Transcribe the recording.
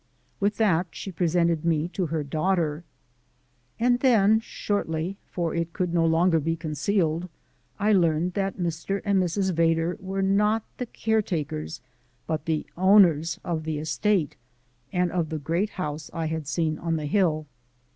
With that she presented me to her daughter. And, then, shortly, for it could no longer be concealed, I learned that Mr. and Mrs. Vedder were not the caretakers but the owners of the estate and of the great house I had seen on the hill.